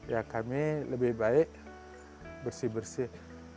ya kami lebih baik bersih bersih